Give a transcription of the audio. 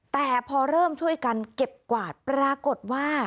แต่พอเริ่มช่วยกันเก็บกวาดปรากฏว่า